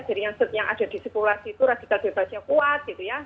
jadi yang ada disipulasi itu radikal bebasnya kuat gitu ya